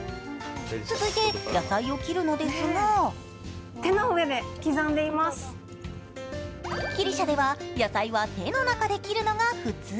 続いて野菜を切るのですがギリシャでは、野菜は手の中で切るのが普通。